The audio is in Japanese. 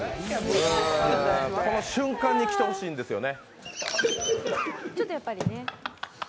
この瞬間にきてほしいんですよね。